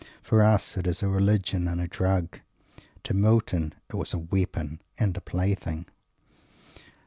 For us it is a religion and a drug. To Milton it was a weapon and a plaything.